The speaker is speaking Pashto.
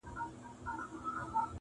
سپرلی ټینګه وعده وکړي چي راځمه,